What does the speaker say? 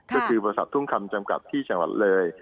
ก็คือบริษัททุ่งคำจำกัดที่จังหวัดเลย